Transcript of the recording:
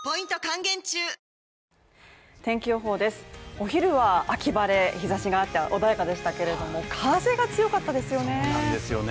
お昼は秋晴れ日差しがあって穏やかでしたけれども、風が強かったですよね